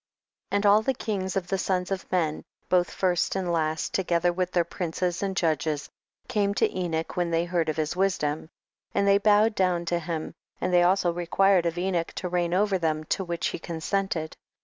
9. And all the kings of the sons of men, both first and last, together with their princes and judges, came to Enoch when they heard of his wisdom, and they bowed down to him, and they also required of Enoch to reign over them, to which he con sented.